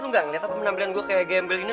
lu gak ngeliat apa penampilan gue kayak gembel ini